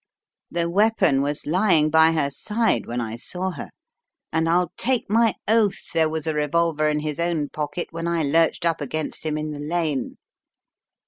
The weapon was lying by her side when I saw her, and I'll take my oath there was a revolver in his own pocket when I lurched up against him in the lane.